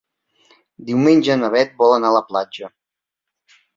Diumenge na Bet vol anar a la platja.